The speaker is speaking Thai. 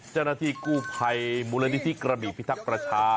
เจ้ารักษณะที่กู้ภัยมูลณิธิกระบ๋วิพิทักษ์ประชา